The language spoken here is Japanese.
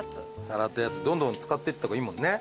洗ったやつどんどん使ってった方がいいもんね。